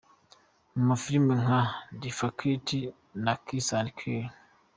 mu mafilime nka "The Faculty" na "Kiss and Kill".